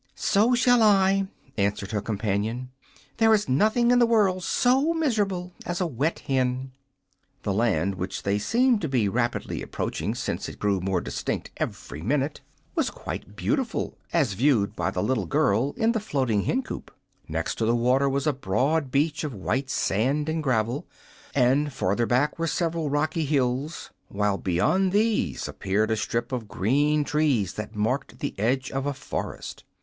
"So shall I," answered her companion. "There is nothing in the world so miserable as a wet hen." The land, which they seemed to be rapidly approaching, since it grew more distinct every minute, was quite beautiful as viewed by the little girl in the floating hen coop. Next to the water was a broad beach of white sand and gravel, and farther back were several rocky hills, while beyond these appeared a strip of green trees that marked the edge of a forest.